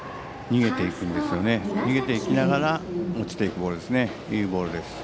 逃げていきながら落ちていくボールですね。